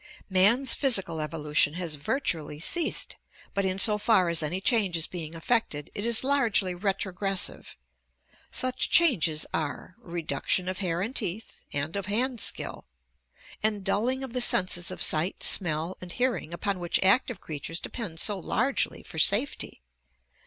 Man's physical evolution has virtually ceased, but in so far as any change is being effected, it is largely retrogressive. Such changes are: Reduction of hair and teeth, and of hand skill; and dulling of the senses of sight, smell, and hearing upon which active creatures depend so largely for safety.